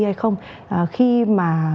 hay không khi mà